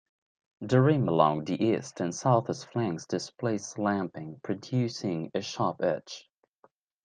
The rim along the east and southeast flanks displays slumping, producing a sharp edge.